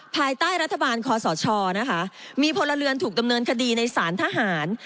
ภายใต้รัฐบาลคอสชนะคะมีพลเรือนถูกดำเนินคดีในสารทหาร